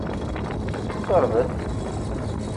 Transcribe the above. Qṛeb-d!